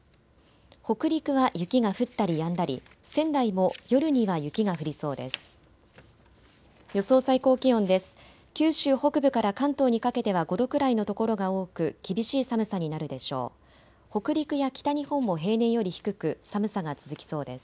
北陸は雪が降ったりやんだり、仙台も夜には雪が降りそうです。